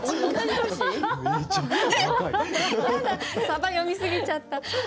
サバ読みすぎちゃった。